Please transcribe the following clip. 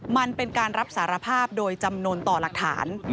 มันเป็นการรับสารภาพโดยจำนวนต่อหลักฐาน